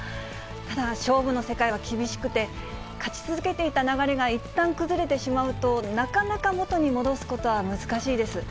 ただ、勝負の世界は厳しくて、勝ち続けていた流れがいったん崩れてしまうと、なかなか元に戻すことは難しいです。